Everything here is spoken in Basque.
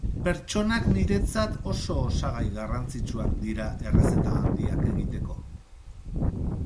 Pertsonak niretzat oso osagai garrantzitsuak dira errezeta handiak egiteko.